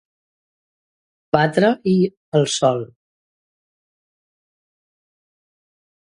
Batre-hi el sol.